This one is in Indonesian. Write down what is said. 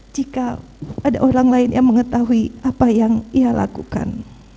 jika ada orang lain yang mengetahui apa yang ia lakukan